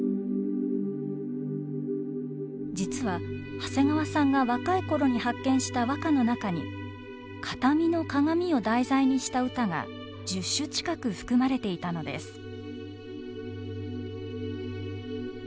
実は長谷川さんが若い頃に発見した和歌の中に「形見の鏡」を題材にした歌が１０首近く含まれていたのです。